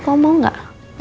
kau mau gak